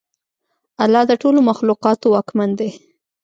الله د ټولو مخلوقاتو واکمن دی.